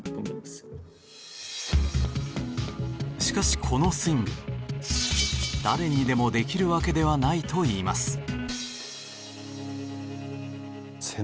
しかしこのスイング誰にでもできるわけではないといいます。